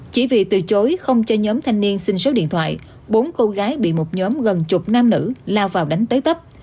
chỉ vì từ chối không cho nhóm thanh niên xin số điện thoại bốn cô gái bị một nhóm gần chục nam nữ lao vào đánh tới tấp